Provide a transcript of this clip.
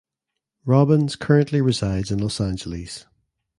Robbins currently resides in Los Angeles.